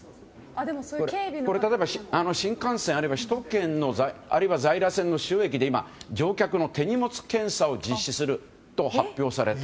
例えば、新幹線あるいは首都圏の在来線の主要駅で乗客の手荷物検査を実施すると発表された。